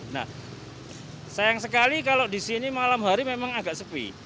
nah sayang sekali kalau disini malam hari memang agak sepi